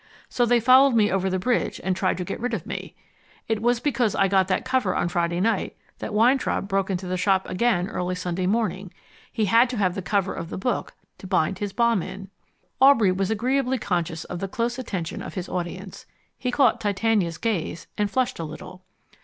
So they followed me over the Bridge and tried to get rid of me. It was because I got that cover on Friday night that Weintraub broke into the shop again early Sunday morning. He had to have the cover of the book to bind his bomb in." Aubrey was agreeably conscious of the close attention of his audience. He caught Titania's gaze, and flushed a little.